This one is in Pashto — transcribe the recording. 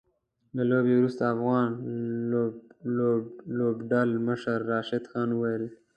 له لوبې وروسته افغان لوبډلمشر راشد خان وويل